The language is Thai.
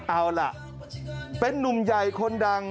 เอาล่ะเป็นนุ่มใหญ่คนดัง